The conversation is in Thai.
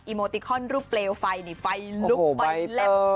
อิโมติคอนรูปเปลวไฟล์นี่ไฟล์ลุกไปแล้ว